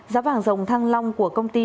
giá vàng dòng thăng long của công ty